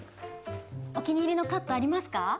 お気に入りのカットありますか？